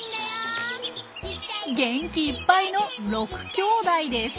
元気いっぱいの６きょうだいです。